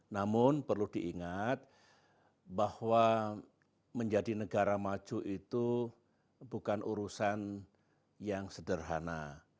namun perlu diingat bahwa menjadi negara maju itu bukan urusan yang sederhana